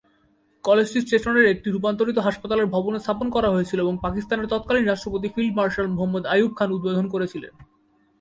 কলেজটি স্টেশনের একটি রূপান্তরিত হাসপাতালের ভবনে স্থাপন করা হয়েছিল এবং পাকিস্তানের তৎকালীন রাষ্ট্রপতি ফিল্ড মার্শাল মুহাম্মদ আইয়ুব খান উদ্বোধন করেছিলেন।